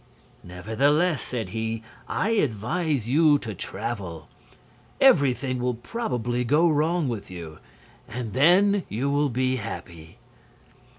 "'Nevertheless,' said he, 'I advise you to travel. Everything will probably go wrong with you, and then you will be happy.'